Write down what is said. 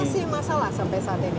masih masalah sampai saat ini